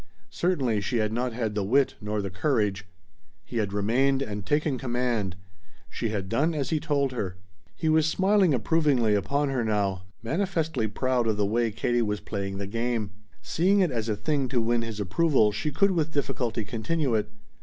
Certainly she had not had the wit nor the courage. He had remained and taken command. She had done as he told her. He was smiling approvingly upon her now, manifestly proud of the way Katie was playing the game. Seeing it as a thing to win his approval she could with difficulty continue it.